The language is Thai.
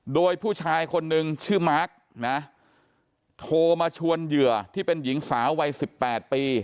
โดยผู้ชายคนนึงชื่อมาร์คนะโทรมาชวนเหยื่อที่เป็นหญิงสาววัย๑๘ปี